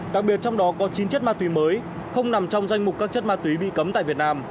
đặc biệt trong đó có chín chất ma túy mới không nằm trong danh mục các chất ma túy bị cấm tại việt nam